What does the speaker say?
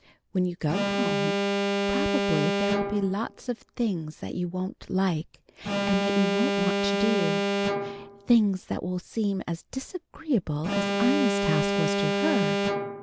When you go home, probably there'll be lots of things that you won't like, and that you won't want to do. Things that will seem as disagreeable as Ina's task was to her.